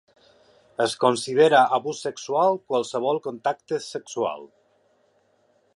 Es considera abús sexual qualsevol contacte sexual.